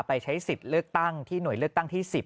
ไปใช้สิทธิ์เลือกตั้งที่หน่วยเลือกตั้งที่๑๐